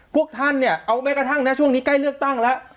พวกท่านเนี่ยเอาแม้กระทั่งนะช่วงนี้ใกล้เลือกตั้งแล้ว